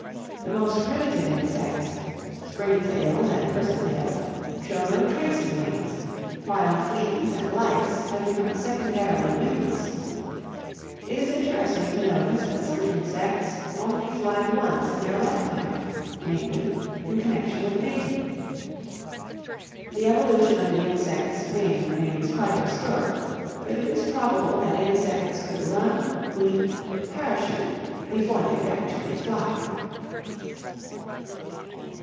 The most primitive insects (spring tails and bristle tails) show no trace of wings, while fleas and lice have become secondarily wingless. It is interesting to notice that some insects only fly once in their lifetime, namely, in connection with mating. The evolution of the insect's wing remains quite obscure, but it is probable that insects could run, leap, and parachute before they could actually fly.